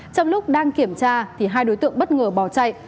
trong lúc đang kiểm tra thì hai đối tượng bất ngờ bỏ chạy